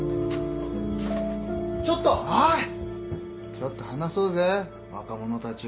ちょっと話そうぜ若者たちよ。